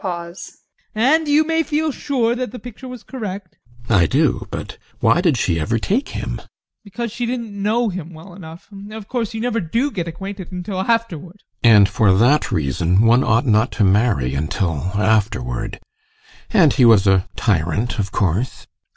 And you may feel sure that the picture was correct. GUSTAV. I do! But why did she ever take him? ADOLPH. Because she didn't know him well enough. Of course, you never DO get acquainted until afterward! GUSTAV. And for that reason one ought not to marry until afterward. And he was a tyrant, of course?